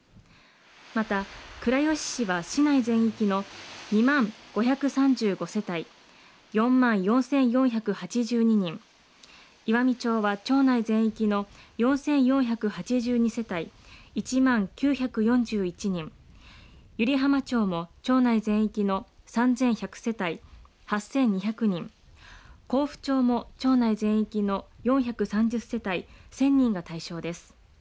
また、倉吉市は市内全域の２万５３５世帯４万４４８２人、岩美町は町内全域の４４８２世帯１万９４１人、湯梨浜町も町内全域の３１００世帯８２００人、江府町も町内全域の４３０世帯１０００人が対象です。